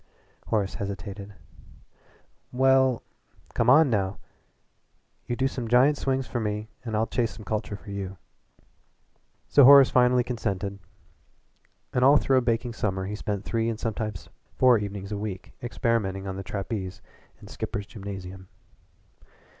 Horace hesitated. "Well " "Come on, now! You do some giant swings for me and I'll chase some culture for you." So Horace finally consented, and all through a baking summer he spent three and sometimes four evenings a week experimenting on the trapeze in Skipper's Gymnasium.